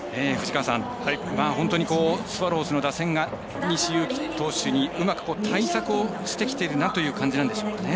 本当にスワローズの打線が西勇輝投手にうまく対策をしてきているなという感じなんでしょうか。